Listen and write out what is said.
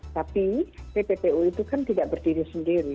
tapi tppu itu kan tidak berdiri sendiri